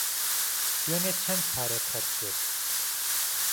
دوێنێ چەند پارەت خەرج کرد؟